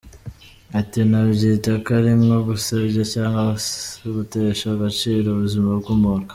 Ati “Nabyita ko ari nko gusebya cyangwa se gutesha agaciro ubuzima bw’umuntu.